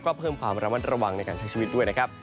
ก็เพิ่มความระมัดระวังในการใช้ชีวิตด้วยนะครับ